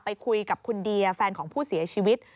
ไปคุยกับคุณเดียแฟนของผู้เสียชีวิต